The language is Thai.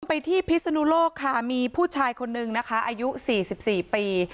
ไปที่พิศนุโลกค่ะมีผู้ชายคนนึงนะคะอายุ๔๔ปี